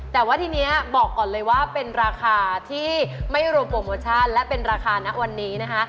แต่ว่าทีนี้บอกก่อนเลยว่าเป็นราคาที่ไม่รวมโปรโมชั่นและเป็นราคานะวันนี้นะคะ